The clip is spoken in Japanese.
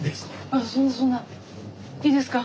いいですか？